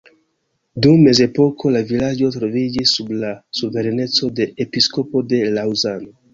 Dum mezepoko la vilaĝo troviĝis sub la suvereneco de episkopo de Laŭzano.